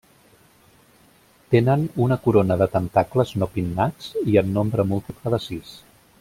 Tenen una corona de tentacles no pinnats i en nombre múltiple de sis.